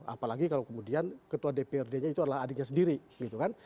apalagi kalau kemudian ketua dprd nya itu adalah adiknya sendiri gitu kan